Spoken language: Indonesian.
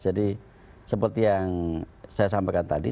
jadi seperti yang saya sampaikan tadi